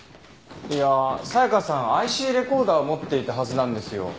いや紗香さんＩＣレコーダーを持っていたはずなんですよ。